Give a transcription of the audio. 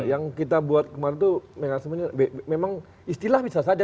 yang kita buat kemarin itu memang istilah bisa saja